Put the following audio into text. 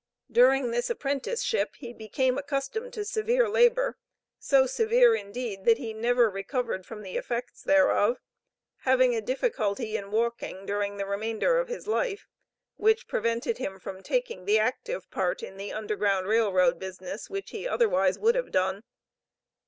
During this apprenticeship he became accustomed to severe labor, so severe indeed that he never recovered from the effects thereof, having a difficulty in walking during the remainder of his life, which prevented him from taking the active part in Underground Rail Road business which he otherwise would have done.